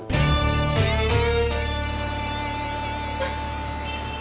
kita mau perang